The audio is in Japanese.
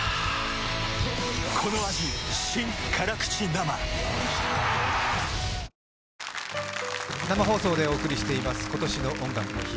生放送でお送りしています、今年の「音楽の日」。